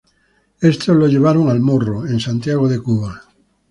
Estos lo llevaron al Morro, en Santiago de Cuba.